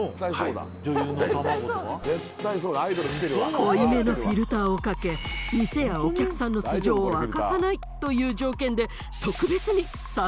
濃いめのフィルターをかけ店やお客さんの素性を明かさないという条件で。